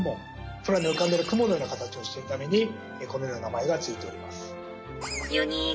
空に浮かんでいる雲のような形をしているためにこのような名前が付いております。